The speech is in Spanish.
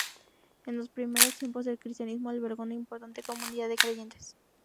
En los primeros tiempos del cristianismo, albergó una importante comunidad de creyentes.